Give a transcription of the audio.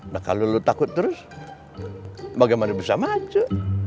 nah kalau lo takut terus bagaimana bisa maju